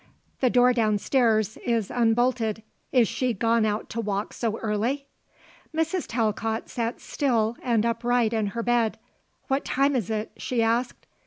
The door downstairs is unbolted. Is she gone out to walk so early?" Mrs. Talcott sat still and upright in her bed. "What time is it?" she asked.